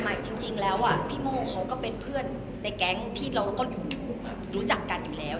จริงแล้วพี่โม่เขาก็เป็นเพื่อนในแก๊งที่เราก็อยู่รู้จักกันอยู่แล้ว